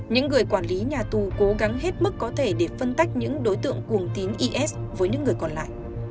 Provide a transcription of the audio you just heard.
những người quản lý nhà tù cố gắng hết mức có thể để phân tách những đối tượng cuồng tín is với những người còn lại